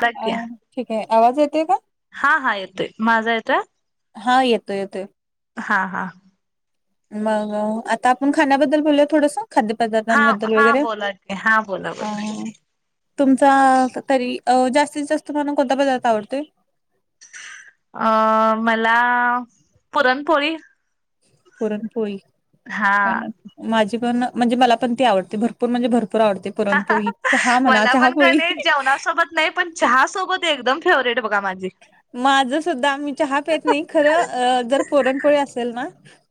बोला अ.. की ठीक आहे, आवाज येते का. हा हा, येतोय माझा येतोय. हा, येतोय येतोय. हा हा. मग आता आपण खाण्याबद्दल बोलूया थोडंसं. खाद्य हा पदार्थांबद्दल हा वगैरे बोला की हा बोला बोला हां. तुमचा तरी जास्तीत जास्त तुम्हाला, कोणता पदार्थ आवडतोय. अ.. मला पुरणपोळी. पुरणपोळी हा हो ना. माझी पण म्हणजे मला पण, ती आवडते भरपूर म्हणजे भरपूर आवडते. पुरण पोळी चहा, म्हणा मला चहा पण पोळी. कणी जेवणासोबत नाही पण, चहासोबत एकदम फेवरेट बघा माझी. माझं सुद्धा मी चहा पेत नाही, खरं जर पुरणपोळी असेल ना.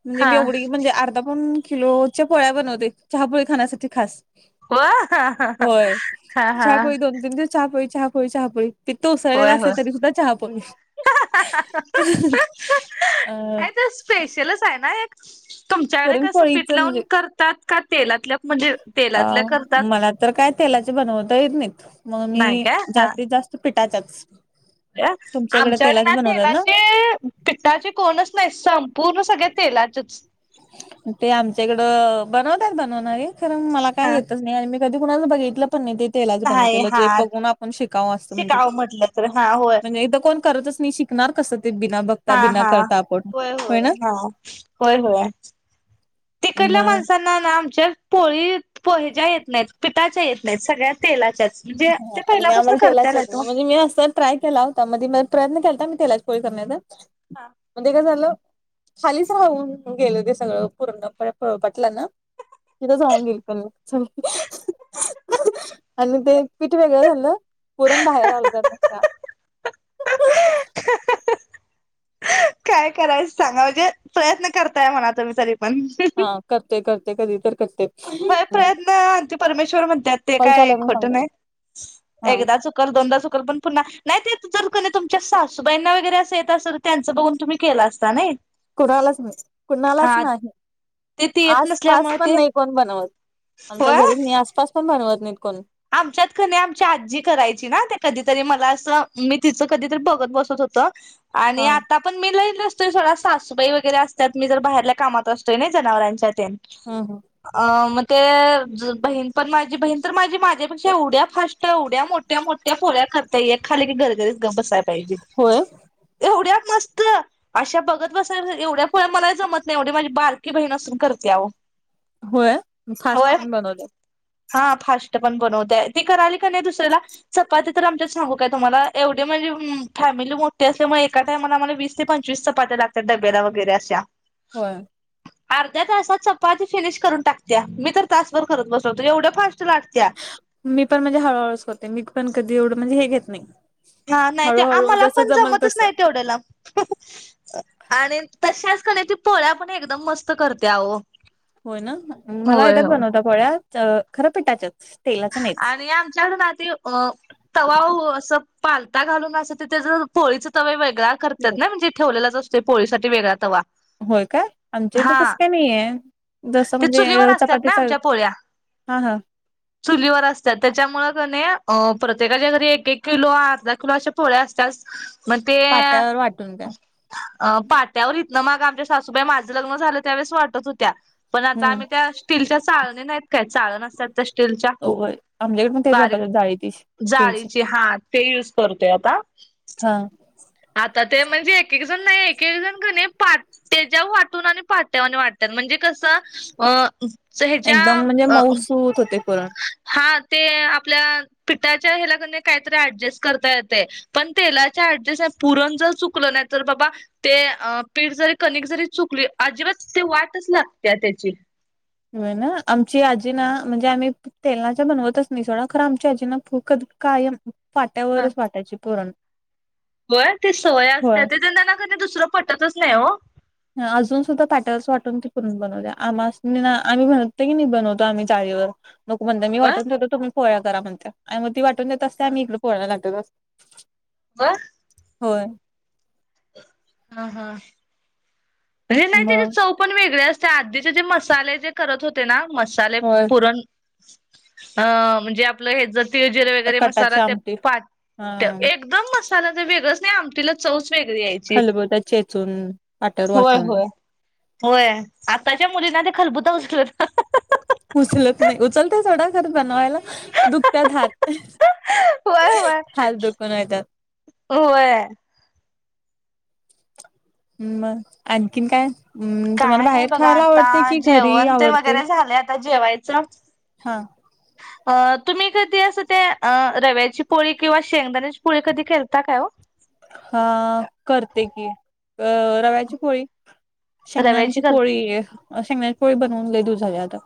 म्हणजे हा मी ऐवढी म्हणजे अर्धा पाऊण किलोच्या पोळ्या बनवते, चहापोळी खाण्यासाठी खास. हो होय. हा हा चहा पोळी दोन तीन दिवस. चहापोळी, चहापोळी, चहापोळी पित्त उसळलेला होय असते होय तरी सुद्धा. चहापोळी. नाही ते स्पेशलच आहे ना एक. [inaudible] तुमच्याकडे कसं पुरणपोळीच पिठ म्हणजे लावून करतात का, तेलातल्या म्हणजे अ तेलातल्या करतात. मला तर काय तेलाचे बनवता येत नाहीत, मग नाही मी काय हा जास्तीत जास्त पिठाच्या चं. आमच्याकडे ना तेलाचे पिठाचे कोणच नाही संपूर्ण सगळे तेलाचेच ते आमच्याकडं बनवतात बनवणारी खर मला काय हा येतच नाही आणि कधी कुणाच बघितलं पण नाही ते तेलाच नाही बनवतेल हा जे बघून आपण शिकाव अस म्हणजे शिकाव म्हटलं तर हा होय म्हणजे इथ कोण करतच नाही पिकणार कसं ते बिना बघता हा बिना हा करता आपण होय होय ना हा होय होय तिकडल्या मग माणसांना ना ना आमच्या पोळी हेच्या येत नाहीत पिठाच्या येत नाहीत सगळ्या तेलाच्याच म्हणजे ते हा आणि पहिल्यापासून आम्हाला तेलाच्या येत करत्यालत ओ. नाही म्हणजे मी असं ट्राय केला होता मधी प्रयत्न केलता मी तेलाची पोळी करण्याचा हा. पण ते काय झालं खालीच राऊन गेल ते सगळं पूर्णपणे पोळपाटला ना तिथंच राहून गेल चल आणि ते पीठ वेगळं झालं पुरण बाहेर आल त्यातनं काय करायच सांगा म्हणजे प्रयत्न करताय म्हणा तुम्ही तरी पण हा करते करते कधी तर करते व्हय प्रयत्नार्थी परमेश्वर म्हणत्यात ते कॉल चालू काय आहे म्हणून खोट सांगते नाही हा एकदा चुक चुकल दोनदा चुकल पण पुन्हा नाही ते तुमच्या सासूबाईंना वगैरे अस येत असल त्याचं बघून तुम्ही केला असता नई कुणालाच नाही कुणालाच नाही ते ते येत आसपास नसल्यामुळे पण ते नाही कोण बनवत आमच्या होय घरीच नाही आसपास पण बनवत नाहीत कोण आमच्यात कनी आमची आजी करायची ना ते कधीतरी मला असं मी तिचं कधीतरी बघत बसत होत आणि हा आता पण मी लई नसतोय सोडा सासूबाई वगैरे असत्यात मी जर बाहेरल्या कामात असतोय नई जनावरांच्या तेन हा हा अ म ते बहीण पण माझी बहीण तर माझी माझ्यापेक्षा एवढ्या फास्ट एवढ्या मोठ्या मोठ्या पोळ्या करते एक खाली की गरगरीत गप बसाय पाहिजे होय एवढ्या मस्त अशा बघत बसाय एवढ्या पोळ्या मला जमत नाही एवढी माझी बारकी बहीण असून करते आओ होय फास्ट पण बनवत्यात हा फास्ट पण बनवत्या ती कराली कणी दुसऱ्याला चपाती तर आमच्यात सांगू काय तुम्हाला एवढी म्हणजे फॅमिली मोठठी असल्यामुळे एका टाइमला आम्हाला वीस ते पंचवीस चपात्या लागत्यात डब्याला वगैरे अशा होय अर्ध्या तासात चपाती फिनिश करून टाकत्या मी तर तासभर करत बसतो एवढ्या फास्ट लाटत्या मी पण म्हणजे हळूहळूच करते मी पण कधी एवढं म्हणजे हे घेत नाही हा नाही ते हळूहळू आम्हाला जसं पण जमल जमतच तसं नाही तेवढ्याला आणि तशाच कणी ती पोळ्या पण एकदम मस्त करते आओ होय ना मला येतात बनवता पोळ्या खरं पिठाच्या तेलाच्या नाही आणि आमच्यातून आधी अ तवा ओ असं पालता घालून असं ते त्याज पोळीच तवे वेगळा करत्यात ना म्हणजे ठेवलेलाच असतोय पोळीसाठी वेगळा तवा होय काय आमच्या इथ हा तसं काय नाही आहे जसं ते म्हणजे चुलीवर असतात ना चपातीचा आमच्या पोळ्या हा हा चुलीवर असत्यात त्याच्यामुळ कणी प्रत्येकाच्या घरी एक एक किलो अर्धा किलो अशा पोळ्या असत्याच म ते पाट्यावर वाटून काय अं पाट्यावर हितंन माग आमच्या सासूबाई माझं लग्न झालं त्यावेेळेस वाटत होत्या, पण आता हम्म आम्ही त्या स्टीलच्या चाळणी नाहीत काय चाळण असतीया तशी? स्टीलचा होय आमच्याकडे पण तेच बारीक वापरतात जाळी ती स्टीलची जाळीची हा. ते यूज करतोय आता. हां आता ते म्हणजे एक एक जण नाही एक जण कणी पाट त्याच्या वर वाटून आणि पाट्यावर आणि वाटत्यात म्हणजे कसं अ सो ह्याच्या हूत होतंय पुरण. हा ते आपल्या पिठाच्या ह्याला कनी काहीतरी ऍडजस्ट करता येतंय. पण तेलाच्या ऍडजेस्ट पुरण जर चुकलं नाही तर बाबा ते पीठ जरी कणिक जरी चुकली अजिबात ते वाटच लागतीया त्याची होय ना आमची आजी ना म्हणजे आम्ही तेलाच्या बनवतचं नाही सोडा खरं आमच्या आजीनां फुक कायम हा पाट्यावरचं वाटायची पुरण. होय ते सवय होय. असतिया ते त्यांना कधि दुसरं पटतच नाही हो. अजून सुद्धा पाट्यावरच वाटून ती पुरण बनवतीया आमासणी ना आम्ही म्हणतो की बनवतो आम्ही चाळीवर नको म्हणतीया मी होय. वाटून ठेवतो तुम्ही पोळ्या करा म्हणतीया आणि मग वाटून देते असतिया हा आ पोळ्या लाटतं बस. बरं होय हा हा अे नाही त्याचि मग चव पण वेगळी असतीया आधीचे जे मसाले जे करत होते ना मसाले होय पुरण ह्अ म्हणजे हे ज तीळ जिर वगैरे मसाला कटाची ते आमटी हा पाट् एक एकदम मसाला जर वेगळच नाही आमटीला चंवच वेगळी यायची. खलबत्यात चेचून. पाट्यावर होय वाटून होय होय आताच्या मुलींना ते खलबुत उचल उचलत नाही उचलतीया सोडा खरं बनवायला, दुखत्यात हात होय होय. हात दुखून येत्यात. होय. मग आणखीन काय? हम्म तुम्हाला काय नाही बाहेर बघा खायला आवडते आता की, घरी जेवण ते आवडते? वगैरे झालंय आता जेवायचं. हा अ तुम्ही कधी असं ते रव्याची पोळी किंवा शेंगदाण्याची पोळी कधी केलता काय ओ? हा करते की अ रव्याची पोळी रव्याची शेंगण्यांची कर पोळी शेंगण्याची पोळी बनवून लई दिवस झाले आता.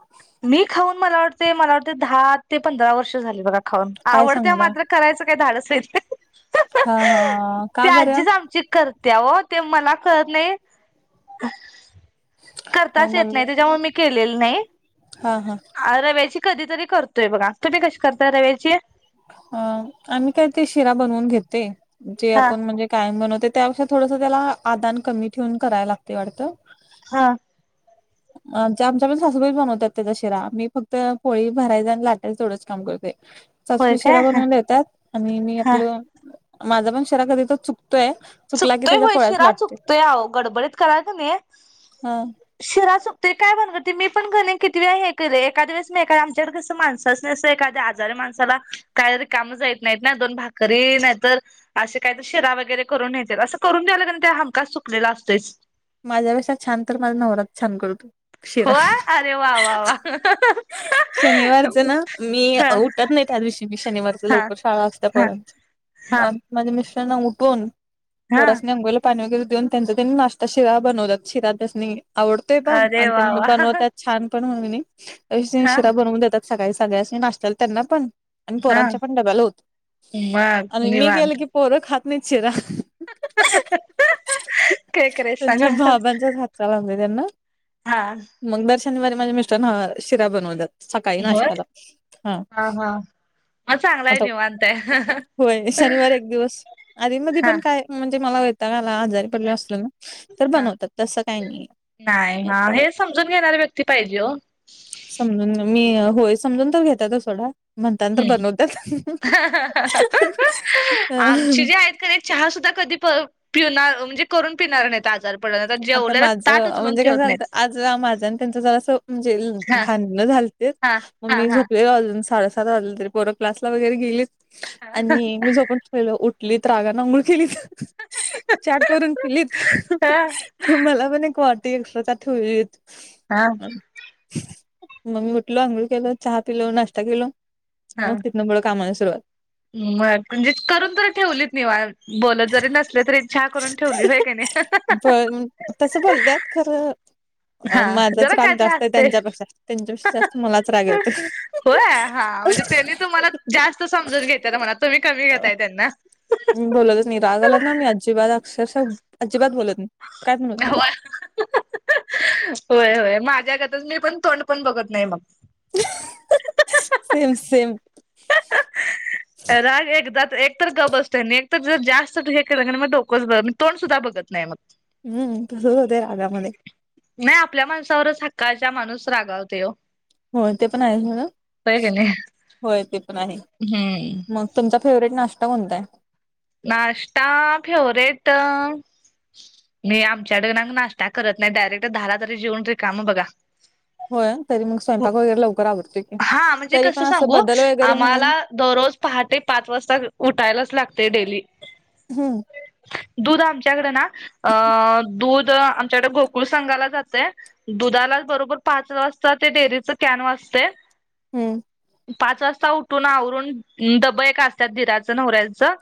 मी खाऊन मला वाटतंय मला वाटतंय दहा ते पंधरा वर्ष झाली बघा खाऊन काय आवडते सांगताय मात्र करायच काय धाडस होईत नाही हा हा ते का बरं आजीच आमची करतीया ओ ते मला कळत नाही. मग करताच येत नाही मम्मी त्याच्यामुळे मी केलेलं नाही. हा हा रव्याची कधीतरी करतोय बघा तुम्ही कशी करताय रव्याची. अ आम्ही काय ते शिरा बनवून घेते जे हा आपण म्हणजे. काय म्हणवते त्यापेक्ष थोडसं त्याला आदान कमी ठेवून करायला लागते वाटतं. हा [inaudible] आमच्या पण सासूबाई बनवतात त्याच्या शिरा मी फक्त पोळी भरायचा आणि लाटायच तेवढंच काम करतोय. होय सासुबाई काय शिरा हा बनवून देतात आणि मी हा आपलं माझा पण शिरा कधी तर चुकतोय. चुकला की चुकतोय त्याच्या होय पोळ्याच शिरा लाटते चुकतोय अहो गडबडीत कराल का नाही. हा शिरा चुकतोय काय भानगड ती मी पण कणी किती वेळा हे केलय एकाद्या वेळेस मी आमचाकडे कसं माणस. तसं कस एखाद्या आजारी माणसाला काय रिकाम जाईत नाहीत ना दोन भाकरी नाहीतर. असे काही तर शिरा वगैरे करून नेतेत असं करून द्यायलं कणी हमखास चुकलेला असतय. माझ्यापेक्षा छान तर माझा नवराच छान करतो. शिरा. होय अरे वा वा वा. शनिवारच ना मी हा उठत नाही त्या दिवशी मी शनिवारच हा लवकर शाळा असत्या हा पोरांची. हा माझ्या मिस्टरना उठून हा पोरासनी अंंगोळीला पाणी वगैरे देऊन त्यांचा त्यांनी नाश्ता. शिरा बनवतात शिरा त्यासनी आवडतोय पण अरे आणि वा त्यांनी वा बनवतात. छान पण म्हणून मी हा शिरा बनवून देतात सकाळी सगळ्यांसनी नाशताला त्यांना पण. आणि हा पोरांच्या पण डब्याला होतो मग आणि मी केेलं निवांत की पोरं खात नाहीत शिरा [unintelligible] सांग त्यांच्या बाबांच्याच हातचा लागतोय त्यांना हा मग दर शनिवारी माझ्या मिस्टर शिरा बनवतात सकाळी होय नाष्ट्याला हा. मग चांगलाय आता निवांत आहे होय शनिवार एक दिवस आधी मधी हा पण काय. म्हणजे मला वैताग आला आजारी पडलो असलो ना तर हा बनवतात तसं काही नाही नाही आणि हा आता. हे समजून घेणारी व्यक्ती पाहिजे ओ समजून मी होय समजून तर घेतातच सोडा. म्हणताना तर हम्म बनवतात आमचे जे आहेत का नाही. चहा सुद्धा कधी प पिणार म्हणजे करून पिणार नाहीत आजार. पडला आता जेवलेला ताट माझं उचलून म्हणजे कसं ठेवत नाहीत. झालत आज माझं आणि त्याचं जरा अस म्हणजे हा भांडण झालते हा मग हा मी हा झोपले अजून साडे सात वाजले तरी पोर क्लासला वगैरे गेलीत हा आणि मी झोप. लेलो उठलीत रागान आंघोळ केलीत चहा करून पिलीत. हा मला पण एक वाटी एक्स्ट्रा त्यात ठेवलेलीत मग मी उठलो आंघोळ केलं चहा पिलो नाश्ता केलो हा मग तिथनं पुढं कामाला सुरुवात. मग म्हणजे करून तरी ठेवलीत निवांत बोलत जरी नसले तरी चहा करून ठेवली होय का नाही. पण तसं बोलत्यात खरं. अ हा माझाच जरा काय राग तर जास्त आहे असतंय. त्यांच्यापेक्षा त्यांच्यापेक्षा जास्त मलाच राग येतोय. होय हा म्हणजे त्यांनी तुम्हाला जास्त समजून घेत्यात म्हणा तुम्ही कमी अ, घेताय त्यांना. बोलतच नाही राग आला ना मी अजिबात अक्षरशः अजिबात बोलत नाही काय म्हणून होय होय माझ्यागतच मी पण तोंड पण बघत नाही मग. Same same. राग एकदाच एक तर गप्प बसतोय एक तर जास्त हे केलं की मग डोकंच [unintelligible] तोंड सुद्धा बघत नाही मग. हम्म तसंच होते रागामध्ये. नाही आपल्या माणसावरच हक्काच्या माणूस रागावतय ओ. होय ते पण आहे म्हणा, होय की नाही होय ते पण आहे. हम्म. मग तुमचा फेवरेट नाश्ता कोणताय. नाश्ता फेवरेट. मी आमच्याकड नाश्ता करत नाही, डायरेक्ट दहाला तरी जेवून रिकाम बघा. होय तरी मी स्वयंपाक वगैरे लवकर आवरते की, हा म्हणजे तरी पण कसं असं सांगू बदल म्हणून. आम्हाला दररोज पहाटे पाच वाजता उठायलाच लागते डेली. हम्. दूध आमच्याकडं ना अ.. दूध आमच्याकडं गोकुळ संघाला जातंय. दुधाला बरोबर पाच वाजता ते, डेअरीच कॅन वाजते. हम्म. पाच वाजता उठून आवरून डब्ब एक असतात. दिराचं नवऱ्याचं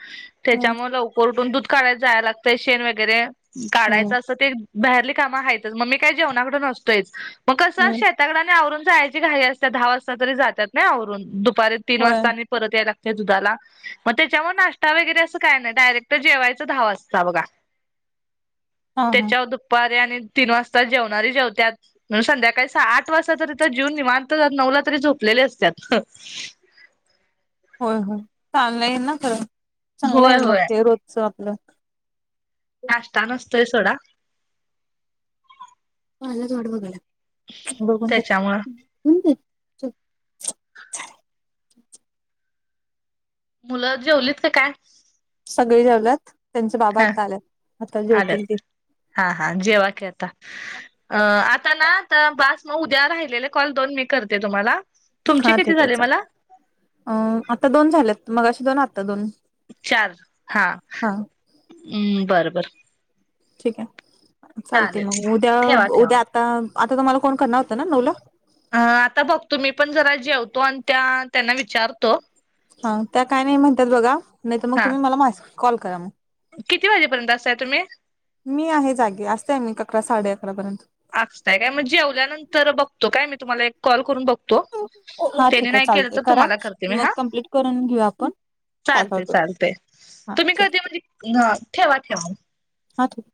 हम्म त्यांच्यामुळे लव कोरटून दूध काढायला जायला लागतंय, शेण वगैरे हम्म काढायचं असते. बाहेरली काम आहेतच. मग मी काय जेवणाकड नसतोयच मग कसं हम्म शेत शेताकड आवरुण जायची घाई असत्या. दहा वाजता तरी जात्यात ना, आवरुण दुपारी तीन होय वाजता आणि. परत या लागतंय दुधाला, मग तेच्या वर ना ष्टा वगैरे असं काय नाही डायरेक्ट जेवायचं दहा वासता, बघा हा हा तेच्यावर दुप दुपारी आणि तीन वाजता जेवणारी जेवत्यात. संध्याकाळी आठ वाजता तरी तर, जून निवांत नऊला तरी झोपलेले असत्यात. होय होय होय होय [unintelligible] रोचं आपलं. नाष्टा नसतोय सोडा. त्याच्यामुळं [unintelligible] मुलं जेवलीत का काय. सगळे जेवल्यात त्यांचे बाबा ह आता आल्यात, आता आल्यात जेवतील ते. हा हा, जेवा की आता, अ.. आता ना आता बास. मग उद्या राहिलेले कॉल दोन मी करते तुम्हाला. तुमचे हा किती ठीक आहे झाले चालेल. मला अ... आता दोन झालेत मगाशी दोन आता दोन. चार हा, हा हम बरं बरं. ठीक आहे, चालते चालेल मग उद्या ठेवा ठेवा उद्या. आता तुम्हाला कोण करणार होतं ना नऊला. अ आता बघतो मी पण जरा जेवतो, आणि त्या त्यांना विचारतो. हा त्या काय नाही म्हणत्यात बघा, नाही तर मग हा तुम्ही मला मा कॉल करा मग. किती वाजेपर्यंत असताय तुम्ही. मी आहे जागे असते, मी अकरा साडे अकरापर्यंत. असताय काय मग जेवल्यानंतर बघतो, काय मी तुम्हाला कॉल करून ब हा ठीक आहे चालतंय करा, करते मग कम्पलीट करून घेऊ आपण. काय काय चालतंय होते चालतंय हा तुम्ही, ठीक कधी म्हणजे ठेवा ठेवा. [unintelligible]